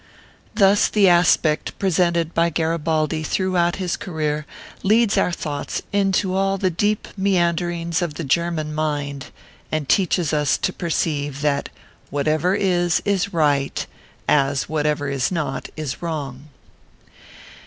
Thus the aspect presented by Garibaldi throughout his career, leads our thoughts into all the deep mean derings of the German mind, and teaches us to per ceive that " whatever is, is right," as whatever is not, is wrong.